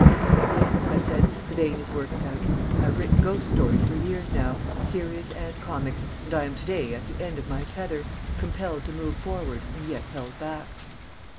"Yes," I replied, "the vein is worked out. I have written ghost stories for years now, serious and comic, and I am to day at the end of my tether compelled to move forward and yet held back."